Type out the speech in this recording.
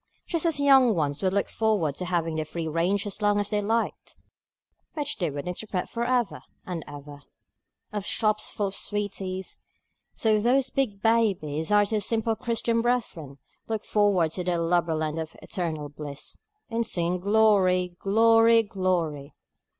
Just as young ones would look forward to having the free range as long as they liked (which they would interpret for ever and ever) of shops full of sweeties, so those big babies, our dear simple Christian brethren, look forward to their Lubberland of eternal bliss, in singing Glory! Glory! Glory!